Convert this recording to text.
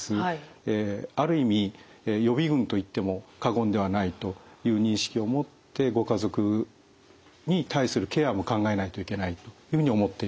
ある意味予備群といっても過言ではないという認識を持ってご家族に対するケアも考えないといけないというふうに思っています。